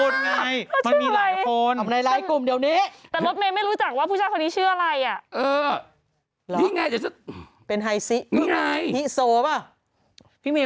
แต่ทรศเม้ยไม่รู้จักว่าผู้ชายคนนี้ชื่ออะไร